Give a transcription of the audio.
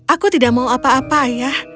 aku tidak mau apa apa ayah